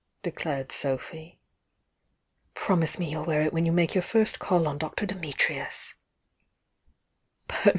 declared Sophy. "Promise me you'll wear it when you make your first call on Dr. Dimitri us!"